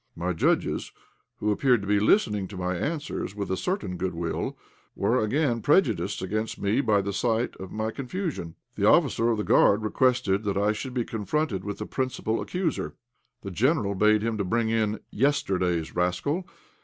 My judges, who appeared to be listening to my answers with a certain good will, were again prejudiced against me by the sight of my confusion. The officer of the Guard requested that I should be confronted with the principal accuser. The General bade them bring in _yesterday's rascal.